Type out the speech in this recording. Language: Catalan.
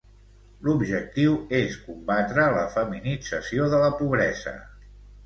L'objectiu és combatre la feminització de la pobresa.